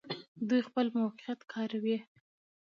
دوی خپل موقعیت کاروي.